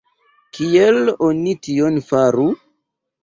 Kiel oni tion faru?